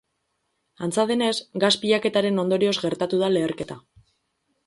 Antza denez, gas pilaketaren ondorioz gertatu da leherketa.